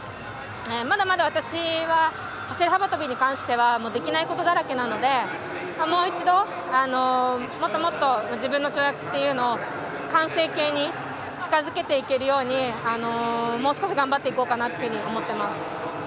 まだまだ私は走り幅跳びに関してはできないことだらけなのでもう一度、もっともっと自分の跳躍というのを完成形に近づけていくようにもう少し頑張っていこうかなと思います。